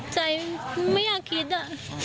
ใจไม่อยากคิดอะ